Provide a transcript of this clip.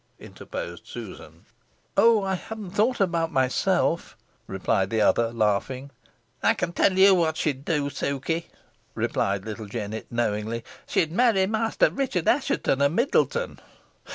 interposed Susan. "Oh, I haven't thought about myself," replied the other, laughing. "Ey con tell ye what she'd do, Suky," replied little Jennet, knowingly; "she'd marry Master Richard Assheton, o' Middleton."